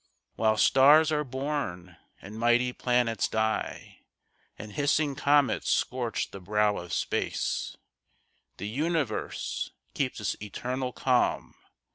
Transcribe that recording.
While stars are born and mighty planets die And hissing comets scorch the brow of space, The Universe keeps its eternal calm.